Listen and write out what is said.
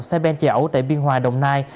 xe ben chạy ẩu tại biên hòa đồng nai